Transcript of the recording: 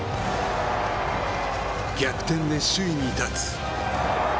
逆転で首位に立つ。